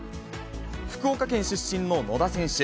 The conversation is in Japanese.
福岡県出身の野田選手。